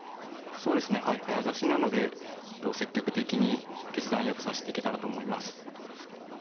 そうですね早指しなので積極的に決断よく指していけたらと思います。